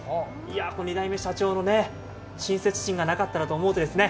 ２代目社長の親切心がなかったらと思うとですね。